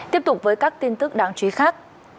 tiếp tục với các tin tức đáng chú ý khác